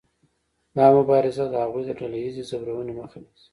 دا مبارزه د هغوی د ډله ایزې ځورونې مخه نیسي.